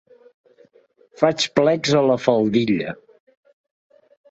Faig plecs a la faldilla.